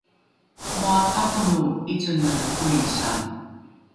moa pakono ’icengele koisange